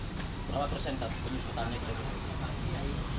berapa persen penyusutannya